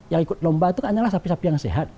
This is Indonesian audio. yang ikut lomba itu kan adalah sapi sapi yang sehat